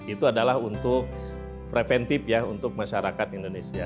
itu adalah untuk preventif ya untuk masyarakat indonesia